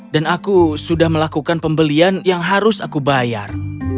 dan aku sudah melakukan pembelian yang harus aku bayar